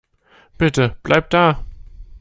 Bitte, bleib da.